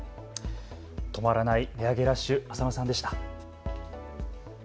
止まらない値上げラッシュ、浅野さんでした。